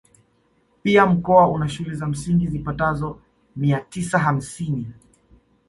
Pia mkoa una shule za msingi zipatazo mia tisa hamsini